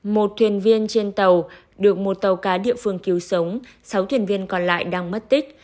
một thuyền viên trên tàu được một tàu cá địa phương cứu sống sáu thuyền viên còn lại đang mất tích